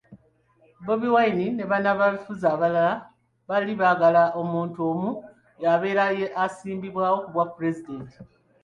Bobi Wine ne bannabyabufuzi abalala baali baagala omuntu omu y'abeera asimbibwawo kubwa Pulezidenti.